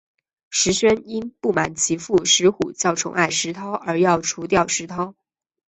石宣因不满其父石虎较宠爱石韬而要除掉石韬。